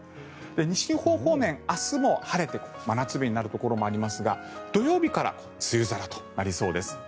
西日本方面、明日も晴れて真夏日になるところもありますが土曜日から梅雨空となりそうです。